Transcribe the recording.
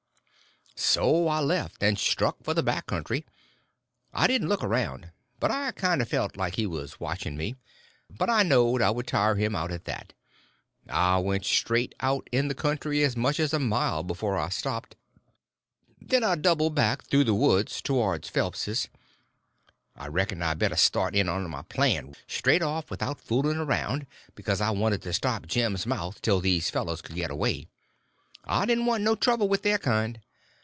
So I left, and struck for the back country. I didn't look around, but I kinder felt like he was watching me. But I knowed I could tire him out at that. I went straight out in the country as much as a mile before I stopped; then I doubled back through the woods towards Phelps'. I reckoned I better start in on my plan straight off without fooling around, because I wanted to stop Jim's mouth till these fellows could get away. I didn't want no trouble with their kind.